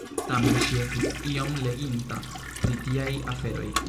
Tamen ŝi estis iom leginta pri tiaj aferoj.